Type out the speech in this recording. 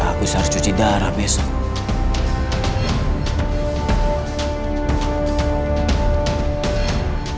aku seharusnya cuci darah besok